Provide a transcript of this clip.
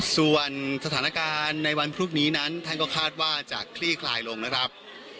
ส่วนสถานการณ์ในวันพรุ่งนี้นั้นท่านก็คาดว่าจะคลี่คลายลงนะครับ